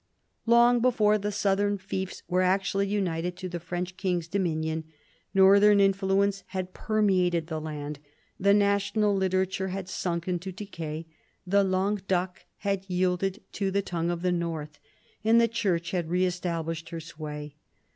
Long before the southern fiefs were actually united to the French king's domains, northern influence had permeated the land, the national literature had sunk into decay, the langue d y oc had yielded to the tongue of the north, and the Church had re established her sway.